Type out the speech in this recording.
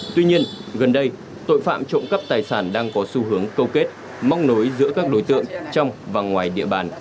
tuy nhiên gần đây tội phạm trộm cắp tài sản đang có xu hướng câu kết móc nối giữa các đối tượng trong và ngoài địa bàn